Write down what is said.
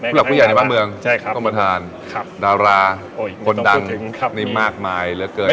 สำหรับผู้ใหญ่ในบ้านเมืองคุณคุณประธานดาราคนดังมีมากมายเหลือเกิน